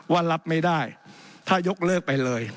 รับไม่ได้ถ้ายกเลิกไปเลย